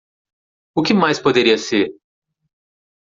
O que mais poderia ser?